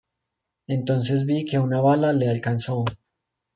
Entonces vi que una bala le alcanzó.